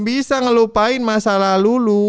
bisa ngelupain masalah lulu